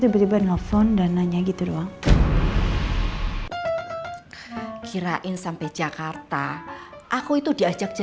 berjalan balik di singkije